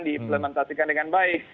diimplementasikan dengan baik